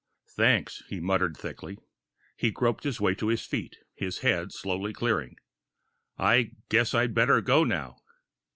"Thanks," he muttered thickly. He groped his way to his feet, his head slowly clearing. "I guess I'd better go now."